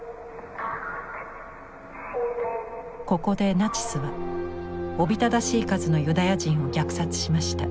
ここでナチスはおびただしい数のユダヤ人を虐殺しました。